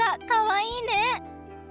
かわいいね！